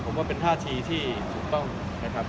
ผมว่าเป็นท่าทีที่ถูกต้องนะครับ